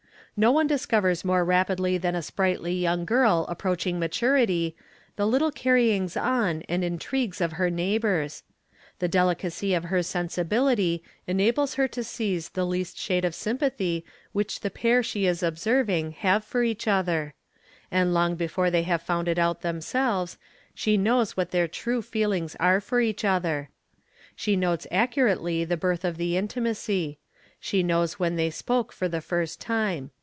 No one discovers more rapidly than a sprightly young girl approaching maturity the little carryings on and intrigues of her neighbours: the delicacy of her sensibility enables her to seize the least shade of sympathy which the pair she is observing have for each other; and long before they have found it out themselves, she ' knows what their true feelings are for each other. She notes accurately the birth of the intimacy; she knows when they spoke for the first time.